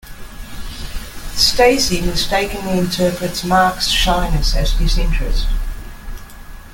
Stacy mistakenly interprets Mark's shyness as disinterest.